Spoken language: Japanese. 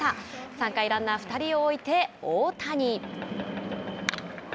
３回、ランナー２人を置いて大谷。